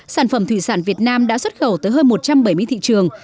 sản phẩm thủy sản việt nam đã xuất khẩu tới hơn một trăm bảy mươi thị trường